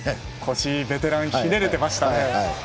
腰ベテラン、ひねれてましたね。